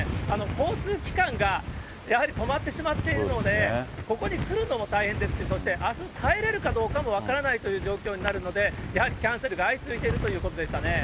交通機関がやはり止まってしまっているので、ここに来るのも大変ですし、そしてあす帰れるかどうかも分からないという状況になるので、やはりキャンセルが相次いでるということでしたね。